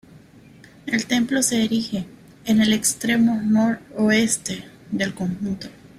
El templo se erige en el extremo noroeste del conjunto.